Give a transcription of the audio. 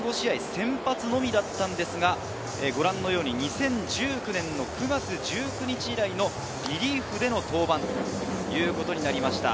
先発のみだったのですが、２０１９年９月１９日以来のリリーフでの登板ということになりました。